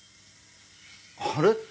あれ？